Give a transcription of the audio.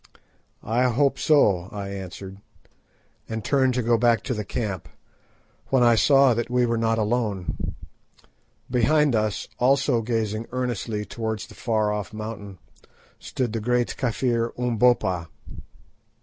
"I hope so," I answered, and turned to go back to the camp, when I saw that we were not alone. Behind us, also gazing earnestly towards the far off mountains, stood the great Kafir Umbopa.